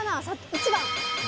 １番！